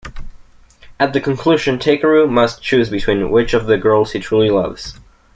At the conclusion, Takeru must choose between which of the girls he truly loves.